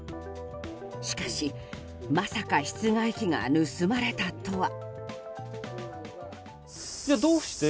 しかし、まさか室外機が盗まれたとは。